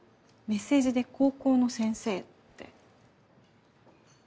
メッセージで高校の先生って。